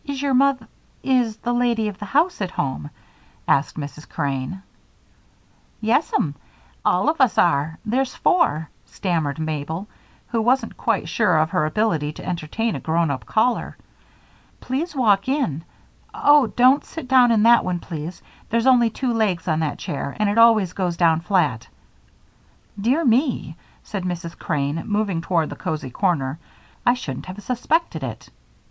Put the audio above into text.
"Is your moth Is the lady of the house at home?" asked Mrs. Crane. "Yes'm, all of us are there's four," stammered Mabel, who wasn't quite sure of her ability to entertain a grown up caller. "Please walk in. Oh! don't sit down in that one, please! There's only two legs on that chair, and it always goes down flat." "Dear me," said Mrs. Crane, moving toward the cozy corner, "I shouldn't have suspected it."